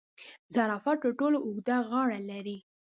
زرافه تر ټولو اوږده غاړه لري